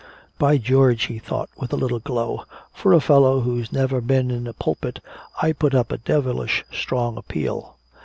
"By George," he thought with a little glow, "for a fellow who's never been in a pulpit I put up a devilish strong appeal."